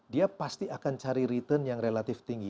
dia pasti akan cari return yang relatif tinggi